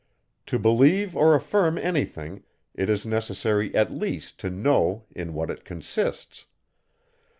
To believe or affirm any thing, it is necessary, at least, to know in what it consists.